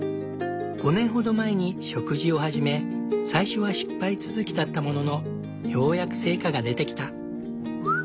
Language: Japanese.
５年ほど前に植樹を始め最初は失敗続きだったもののようやく成果が出てきた。